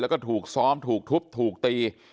แล้วก็ถูกซ้อมถูกทุบถูกตี